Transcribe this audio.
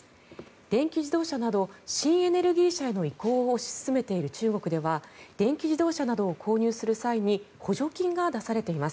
電気自動車など新エネルギー車への移行を推し進めている中国では電気自動車などを購入する際に補助金が出されています。